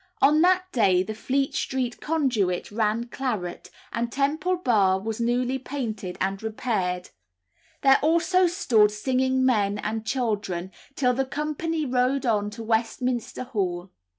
On that day the Fleet Street conduit ran claret, and Temple Bar was newly painted and repaired; there also stood singing men and children, till the company rode on to Westminster Hall.